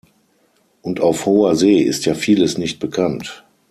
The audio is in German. Und auf hoher See ist ja vieles nicht bekannt.